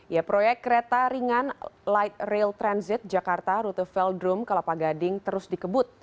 ya proyek kereta ringan light rail transit jakarta rute veldrum kelapa gading terus dikebut